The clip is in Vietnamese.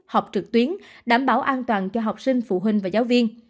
học trực tuyến đảm bảo an toàn cho học sinh phụ huynh và giáo viên